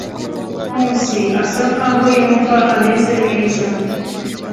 Nkusi asa nkaho yumva ameze neza.